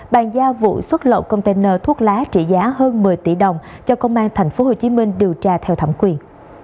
bàn giao vụ xuất lậu container thuốc lá trị giá hơn một mươi tỷ đồng cho công an tp hcm điều tra theo thẩm quyền